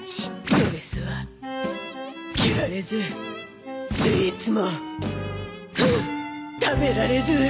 ドレスは着られずスイーツもフンッ食べられず！